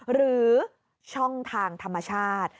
หรือช่องทางธรรมชาติ